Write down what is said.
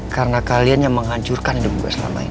karena kalian yang menghancurkan hidup gue selama ini